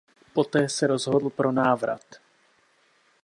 Poté se rozhodl pro návrat.